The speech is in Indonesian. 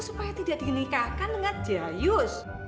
supaya tidak dinikahkan dengan jayus